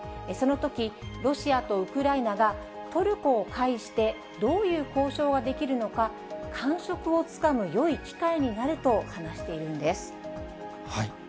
そのとき、ロシアとウクライナがトルコを介して、どういう交渉ができるのか、感触をつかむよい機会になると話しているんです。